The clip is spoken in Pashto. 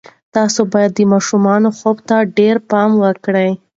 تاسې باید د ماشومانو خوب ته ډېر پام وکړئ.